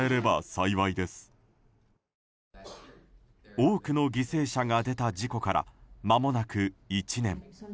多くの犠牲者が出た事故から間もなく１年。